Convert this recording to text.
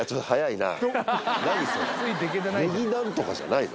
ねぎ何とかじゃないの？